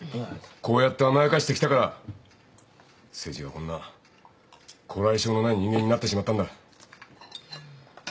こうやって甘やかしてきたから誠治がこんなこらえ性のない人間になってしまったんだ。